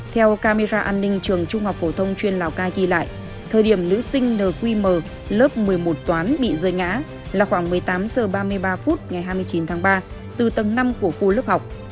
theo camera an ninh trường trung học phổ thông chuyên lào cai ghi lại thời điểm nữ sinh nq một mươi một toán bị rơi ngã là khoảng một mươi tám h ba mươi ba phút ngày hai mươi chín tháng ba từ tầng năm của khu lớp học